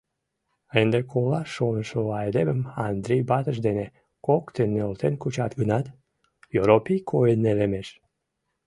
Ынде колаш шонышо айдемым Андрий ватыж дене коктын нӧлтен кучат гынат, Йоропий койын нелемеш.